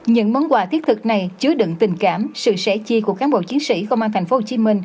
những món quà thiết thực này chứa đựng tình cảm sự sẻ chia của cán bộ chiến sĩ công an tp hcm